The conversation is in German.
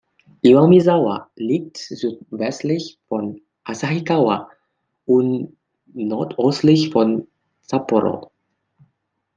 Iwamizawa liegt südwestlich von Asahikawa und nordöstlich von Sapporo.